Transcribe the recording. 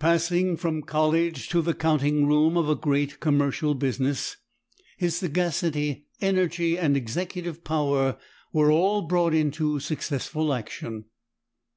Passing from college to the counting room of a great commercial business, his sagacity, energy, and executive power were all brought into successful action.